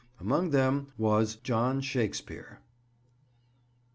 Among them was John Shakespeare.